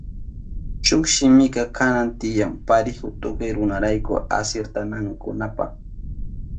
Shuk shimika kanan tiyan parihu tukuy runarayku asirtanakunankunapa.